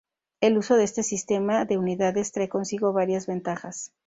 El uso de este sistema de unidades trae consigo varias ventajas.